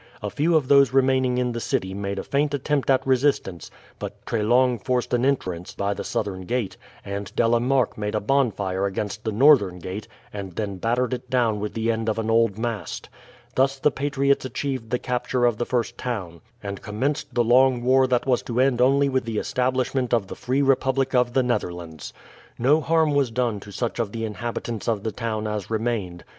A few of those remaining in the city made a faint attempt at resistance; but Treslong forced an entrance by the southern gate, and De la Marck made a bonfire against the northern gate and then battered it down with the end of an old mast. Thus the patriots achieved the capture of the first town, and commenced the long war that was to end only with the establishment of the Free Republic of the Netherlands. No harm was done to such of the inhabitants of the town as remained.